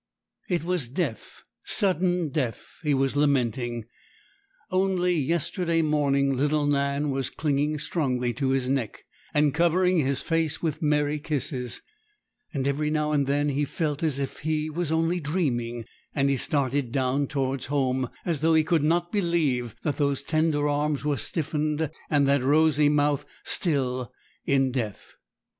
It was death, sudden death, he was lamenting. Only yesterday morning little Nan was clinging strongly to his neck, and covering his face with merry kisses; and every now and then he felt as if he was only dreaming, and he started down towards home, as though he could not believe that those tender arms were stiffened and that rosy mouth still in death.